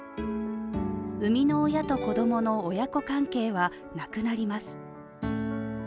生みの親と子どもの親子関係はなくなります。